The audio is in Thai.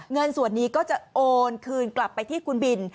เงินส่วนนี้ก็จะโอนคืนกลับไปที่คุณบิน